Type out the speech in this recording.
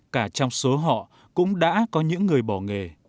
cả trong số họ cũng đã có những người bỏ nghề